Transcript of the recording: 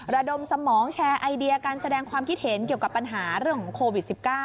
ระดมสมองแชร์ไอเดียการแสดงความคิดเห็นเกี่ยวกับปัญหาเรื่องของโควิด๑๙